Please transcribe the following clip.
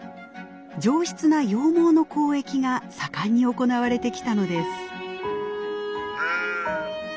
上質な羊毛の交易が盛んに行われてきたのです。